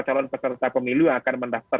calon peserta pemilu yang akan mendaftar